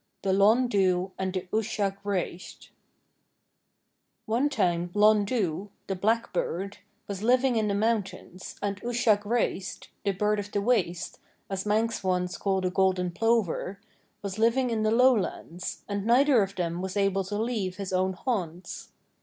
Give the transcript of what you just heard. THE LHONDOO AND THE USHAG REAISHT One time Lhondoo, the Blackbird, was living in the mountains and Ushag reaisht, the Bird of the Waste, as Manx ones call the Golden Plover, was living in the lowlands, and neither of them was able to leave his own haunts.